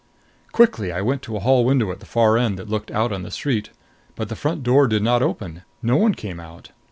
Quickly I went to a hall window at the far end that looked out on the street. But the front door did not open; no one came out.